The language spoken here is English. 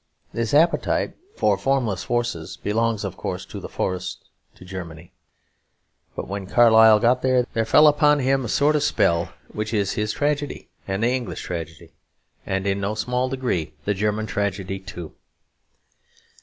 This appetite for formless force belongs, of course, to the forests, to Germany. But when Carlyle got there, there fell upon him a sort of spell which is his tragedy and the English tragedy, and, in no small degree, the German tragedy too.